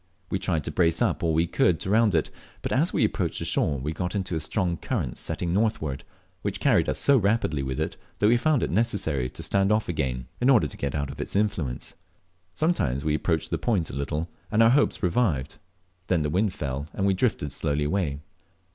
We tried to brace up all we could to round it, but as we approached the shore we got into a strong current setting northward, which carried us so rapidly with it that we found it necessary to stand off again, in order to get out of its influence. Sometimes we approached the point a little, and our hopes revived; then the wind fell, and we drifted slowly away.